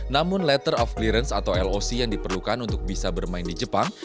namun letter of clearance atau loc yang diperlukan untuk bisa bermain di jepang